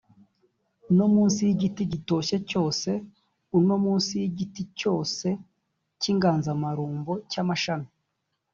no munsi y igiti gitoshye cyose u no munsi y igiti cyose cy inganzamarumbo cy amashami